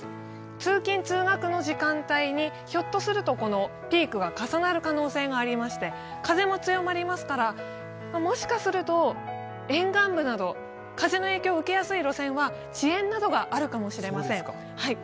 通勤・通学の時間帯にひょっとするとピークが重なる可能性がありまして、風も強まりますからもしかすると、沿岸部など風の影響を受けやすい路線は遅延などがあるかもしれません。